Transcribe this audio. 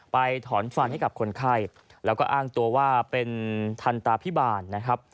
ถอนฟันให้กับคนไข้แล้วก็อ้างตัวว่าเป็นทันตาพิบาลนะครับ